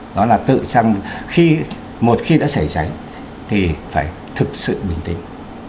đó là tự chăn khi một khi đã xảy cháy thì phải thực sự bình tĩnh